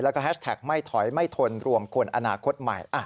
แล้วก็แฮชแท็กไม่ถอยไม่ทนรวมคนอนาคตใหม่